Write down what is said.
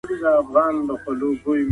پانګه وال نظام د فردي ملکیت زیږنده دی.